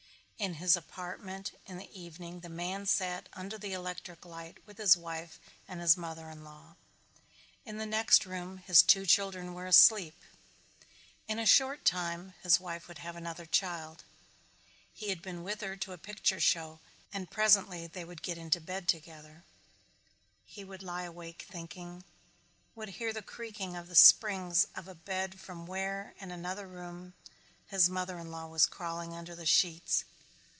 In his apartment in the evening the man sat under the electric light with his wife and his mother in law. In the next room his two children were asleep. In a short time his wife would have another child. He had been with her to a picture show and presently they would get into bed together. He would lie awake thinking, would hear the creaking of the springs of a bed from where, in another room, his mother in law was crawling under the sheets.